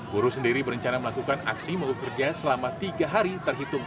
buruh sendiri berencana melakukan aksi mogok kerja selama tiga hari terhitung